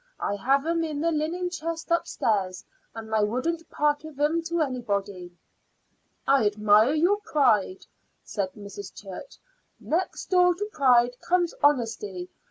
I have 'em in the linen chest upstairs, and I wouldn't part with 'em to anybody." "I admire your pride," said Mrs. Church. "Next door to pride comes honesty.